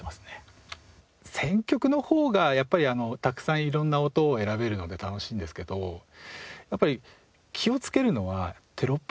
選曲の方がやっぱりたくさん色んな音を選べるので楽しいんですけどやっぱり気をつけるのはテロップとかのＳＥですね。